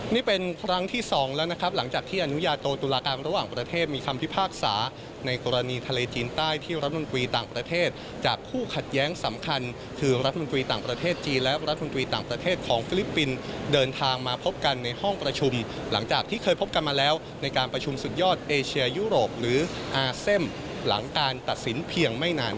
นี่เป็นครั้งที่๒แล้วนะครับหลังจากที่อนุญาโตตุลาการระหว่างประเทศมีคำพิพากษาในกรณีทะเลจีนใต้ที่รัฐมนตรีต่างประเทศจากคู่ขัดแย้งสำคัญคือรัฐมนตรีต่างประเทศจีนและรัฐมนตรีต่างประเทศของฟิลิปปินส์เดินทางมาพบกันในห้องประชุมหลังจากที่เคยพบกันมาแล้วในการประชุมสุดยอดเอเชียยุโรปหรืออาเซมหลังการตัดสินเพียงไม่นาน